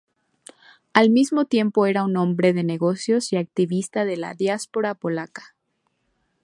Al mismo tiempo era un hombre de negocios y activista de la diáspora polaca.